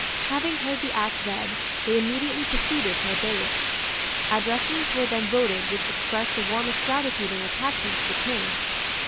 Having heard the Act read, they immediately proceeded to obey it. Addresses were then voted which expressed the warmest gratitude and attachment to the King.